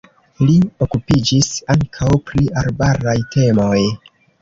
Li okupiĝis ankaŭ pri arbaraj temoj.